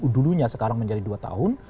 dulunya sekarang menjadi dua tahun